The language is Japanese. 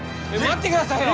待ってくださいよ！